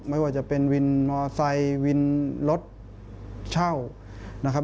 ไม่ว่าจะเป็นวินมอไซค์วินรถเช่านะครับ